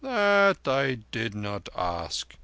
"That I did not ask.